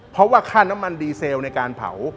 เพราะว่าค่าน้ำมันดีเซลในการเผา